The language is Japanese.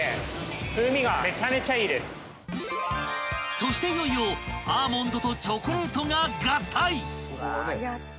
［そしていよいよアーモンドとチョコレートが合体！］